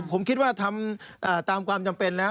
ผมคิดว่าทำตามความจำเป็นแล้ว